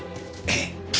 ええ。